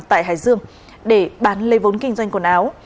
tại hải dương để bán lấy vốn kinh doanh quần áo